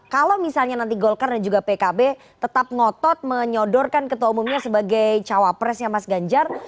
kalau misalnya nanti golkar dan juga pkb tetap ngotot menyodorkan ketua umumnya sebagai cawapresnya mas ganjar